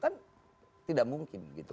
kan tidak mungkin gitu